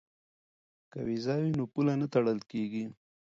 که ویزه وي نو پوله نه تړل کیږي.